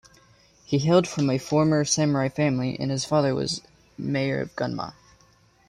He hailed from a former Samurai family and his father was mayor of Gunma.